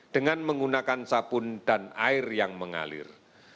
dengan menggunakan sabun dan air yang mengalir